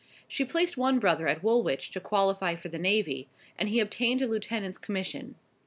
She placed one brother at Woolwich to qualify for the Navy, and he obtained a lieutenant's commission.